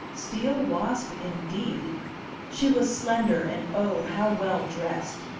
Steel wasp indeed! She was slender, and oh, how well dressed!